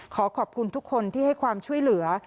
ขอขอบคุณทุกคนที่ให้ความช่วยเหลือ